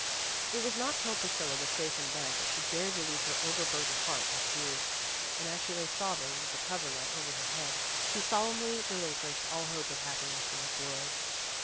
It was not till Priscilla was safe in bed that she dared relieve her over burdened heart by tears. And as she lay sobbing with the cover let over her head, she solemnly relinquished all hope of happiness in this world.